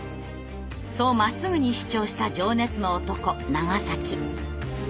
そうまっすぐに主張した情熱の男長。